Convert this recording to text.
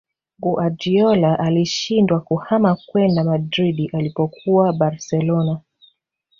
Guardiola alishindwa kuhama kwenda Madrid alipokuwa Barcelona